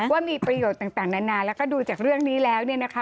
ว่ามีประโยชน์ต่างนานาแล้วก็ดูจากเรื่องนี้แล้วเนี่ยนะคะ